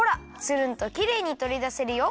つるんときれいにとりだせるよ。